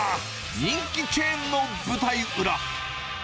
人気チェーンの舞台裏。